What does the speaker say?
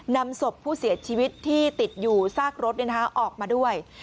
นำศพผู้เสียชีวิตที่ติดอยู่ซากรถออกมาด้วย